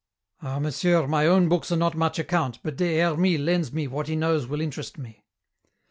"Ah, monsieur, my own books are not much account, but Des Hermies lends me what he knows will interest me."